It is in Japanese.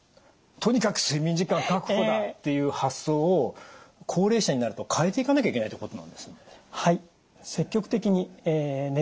とにかく睡眠時間確保だっていう発想を高齢者になると変えていかなきゃいけないということなんですね？